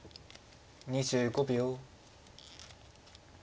２５秒。